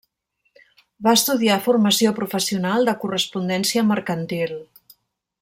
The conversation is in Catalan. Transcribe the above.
Va estudiar Formació Professional de correspondència mercantil.